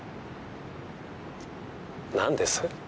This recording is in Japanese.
何です？